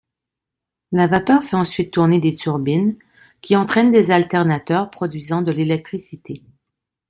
La vapeur fait ensuite tourner des turbines qui entraînent des alternateurs produisant de l'électricité.